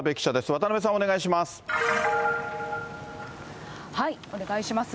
渡辺さん、お願いします。